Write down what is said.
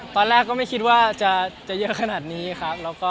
ตอนแรกก็ไม่คิดว่าจะเยอะขนาดนี้ครับ